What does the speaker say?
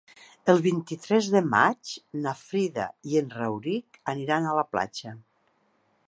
El vint-i-tres de maig na Frida i en Rauric aniran a la platja.